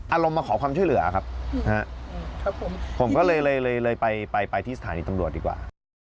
อารมณ์มาขอความช่วยเหลือครับผมผมก็เลยเลยไปไปที่สถานีตำรวจดีกว่า